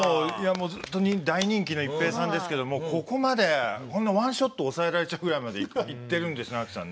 もう本当に大人気ですけどもここまで、ワンショットを押さえられちゃうぐらいまでいっているんですね、ＡＫＩさん。